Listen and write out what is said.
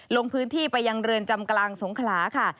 ลงพื้นที่ไปยังเรือนจำกลางสงขลาค่ะ